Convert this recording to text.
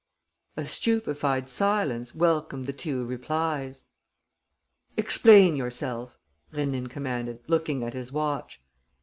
A stupefied silence welcomed the two replies. "Explain yourself," Rénine commanded, looking at his watch.